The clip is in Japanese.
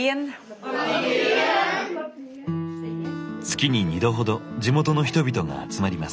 月に２度ほど地元の人々が集まります。